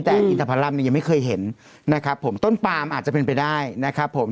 แต่อินทพรรมเนี่ยยังไม่เคยเห็นนะครับผมต้นปามอาจจะเป็นไปได้นะครับผม